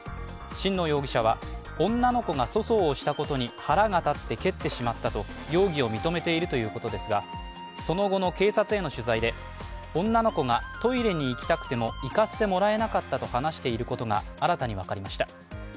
新納容疑者は女の子が粗相をしたことに腹が立って蹴ってしまったと容疑を認めているということですが、その後の警察への取材で女の子が、トイレに行きたくても行かせてもらえなかったと話していることが新たに分かりました。